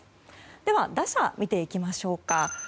では、打者を見ていきましょう。